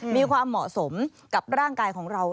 มีความเหมาะสมกับร่างกายของเรา